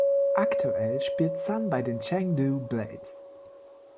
Aktuell spielt Sun bei den Chengdu Blades.